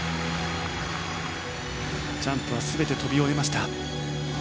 ジャンプは全て跳び終えました。